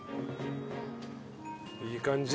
いい感じ！